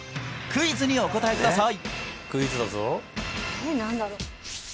クイズにお答えください！